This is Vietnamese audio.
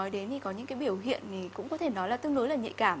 đến thì có những cái biểu hiện thì cũng có thể nói là tương đối là nhạy cảm